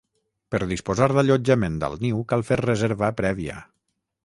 Per disposar d'allotjament al Niu cal fer reserva prèvia.